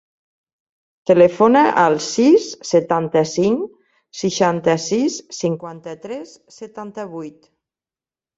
Telefona al sis, setanta-cinc, seixanta-sis, cinquanta-tres, setanta-vuit.